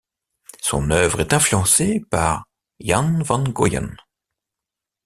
Son œuvre est influencée par Jan van Goyen.